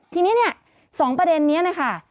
ทีนี้เนี่ย๒ประเด็นนี้นะคะ